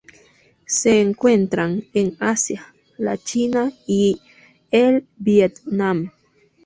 Se encuentran en Asia: la China y el Vietnam.